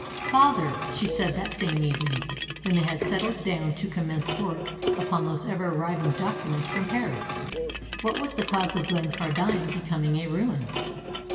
"Father," she said that same evening, when they had settled down to commence work upon those ever arriving documents from Paris, "what was the cause of Glencardine becoming a ruin?"